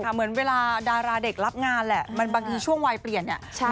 เหมือนเวลาดาราเด็กรับงานแหละบางทีช่วงวัยเปลี่ยนเนี่ย